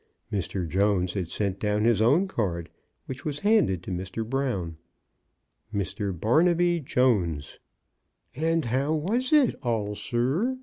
Mr. Jones had sent down his own card, which was handed to Mr. Brown :Mr. Barnaby Jones." *' And how was it all, sir?